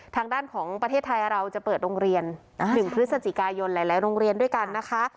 ทางด้านของประเทศไทยเราจะเปิดโรงเรียน๑พฤศจิกายนหลายโรงเรียนด้วยกันนะคะ